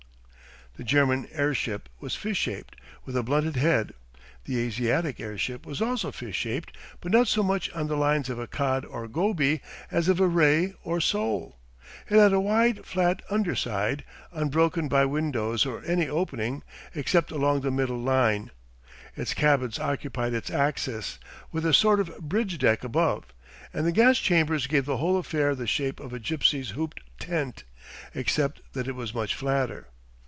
The German airship was fish shaped, with a blunted head; the Asiatic airship was also fish shaped, but not so much on the lines of a cod or goby as of a ray or sole. It had a wide, flat underside, unbroken by windows or any opening except along the middle line. Its cabins occupied its axis, with a sort of bridge deck above, and the gas chambers gave the whole affair the shape of a gipsy's hooped tent, except that it was much flatter.